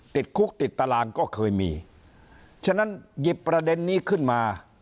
ติดคุกติดตารางก็เคยมีฉะนั้นหยิบประเด็นนี้ขึ้นมา